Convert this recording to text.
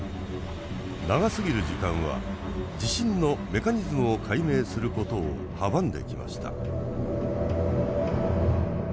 長過ぎる時間は地震のメカニズムを解明することを阻んできました。